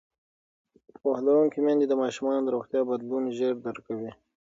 پوهه لرونکې میندې د ماشومانو د روغتیا بدلون ژر درک کوي.